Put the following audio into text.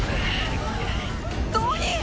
ドニー！